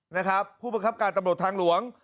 นะครับผู้ประคับการตำรวจทางหลวง